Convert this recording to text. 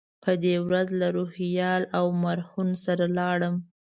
په دې ورځ له روهیال او مرهون سره لاړم.